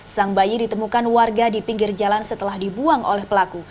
sang bayi ditemukan warga di pinggir jalan setelah dibuang oleh pelaku